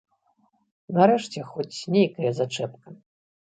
Нарэшце хоць нейкая зачэпка.